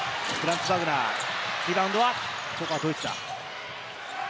フランツ・バグナー、リバウンドは、ここはドイツだ。